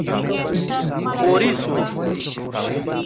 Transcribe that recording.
Boriso!